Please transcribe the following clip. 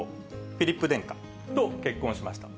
フィリップ殿下と結婚しました。